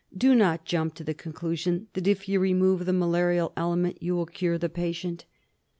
Do not jump to the conclusion that if you remove the malarial element you will cure the patient.